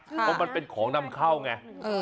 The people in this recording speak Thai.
เพราะมันเป็นของนำเข้าไง